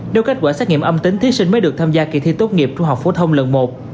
nếu kết quả xét nghiệm âm tính thí sinh mới được tham gia kỳ thi tốt nghiệp trung học phổ thông lần một